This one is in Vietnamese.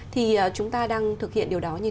thì chúng ta đang thực hiện điều đó như thế nào